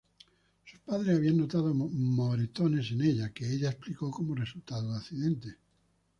Sus padres habían notado moretones en ella, que ella explicó como resultado de accidentes.